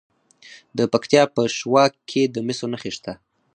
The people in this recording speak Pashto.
د پکتیا په شواک کې د مسو نښې شته.